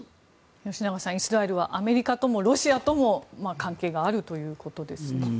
吉永さん、イスラエルはアメリカともロシアとも関係があるということですね。